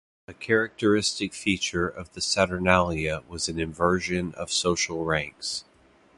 A characteristic feature of the Saturnalia was an inversion of social ranks.